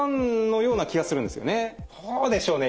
どうでしょうね？